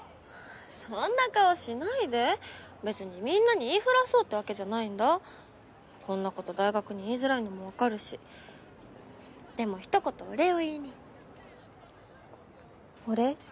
そんな顔しないで別にみんなに言いふらそうってわけじゃないんだこんなこと大学に言いづらいのも分かるしでもひと言お礼を言いにお礼？